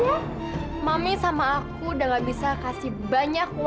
iya mi jangan bikin tegang mi